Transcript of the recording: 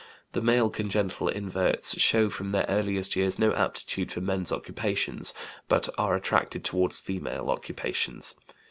The male congenital inverts show from their earliest years no aptitude for men's occupations, but are attracted toward female occupations.